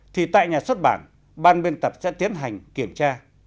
thì tại nhà xuất bản ban biên tập sẽ tiến hành kiểm tra